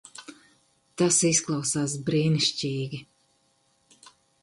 Tas izklausās brīnišķīgi.